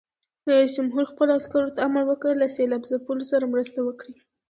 رئیس جمهور خپلو عسکرو ته امر وکړ؛ له سېلاب ځپلو سره مرسته وکړئ!